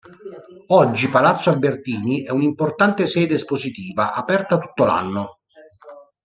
Oggi palazzo Albertini è un'importante sede espositiva, aperta tutto l'anno.